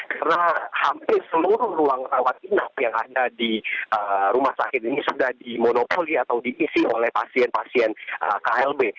karena hampir seluruh ruang rawat inap yang ada di rumah sakit ini sudah dimonopoli atau diisi oleh pasien pasien klb